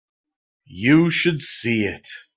You should see it.